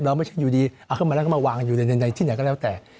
ไม่ใช่อยู่ดีเอาเข้ามาแล้วก็มาวางอยู่ในที่ไหนก็แล้วแต่